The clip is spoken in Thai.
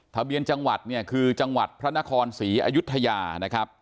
ทะเบียนจังหวัดเนี่ยคือจังหวัดพระนครศรีอยุธยานะครับ